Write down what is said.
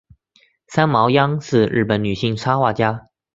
三毛央是日本女性插画家。